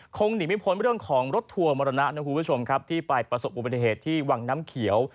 คงหนีไม่พ้นว่าเรื่องของรถทัวร์มรณะที่ไปประสบอุบัติเหตุที่วังน้ำเขียว